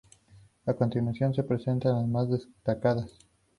A continuación se presentan las más destacadas.